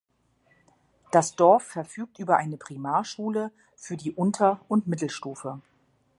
Das Dorf verfügt über eine Primarschule für die Unter- und Mittelstufe.